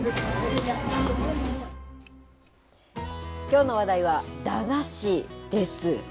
きょうの話題は駄菓子です。